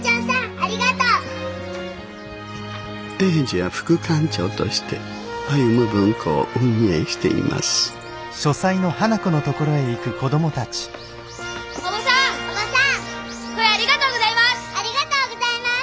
ありがとうございます！